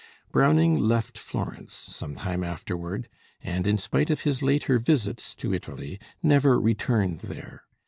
Browning left Florence some time afterward, and in spite of his later visits to Italy, never returned there.